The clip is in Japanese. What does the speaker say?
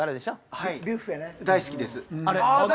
はい大好きです。